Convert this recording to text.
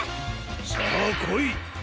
さあこい！